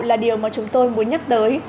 là điều mà chúng tôi muốn nhắc tới